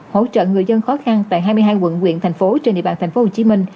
hỗ trợ người dân khó khăn tại hai mươi hai quận quyện thành phố trên địa bàn tp hcm